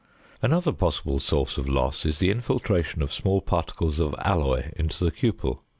Another possible source of loss is the infiltration of small particles of alloy into the cupel.